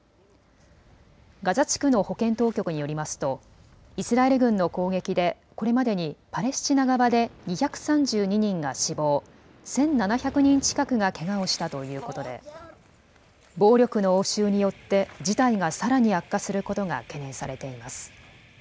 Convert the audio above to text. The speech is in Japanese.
ガザ地区の保健当局によりますとイスラエル軍の攻撃でこれまでにパレスチナ側で２３２人が死亡、１７００人近くがけがをしたということで暴力の応酬によって事態がさらに悪化することが懸念されています。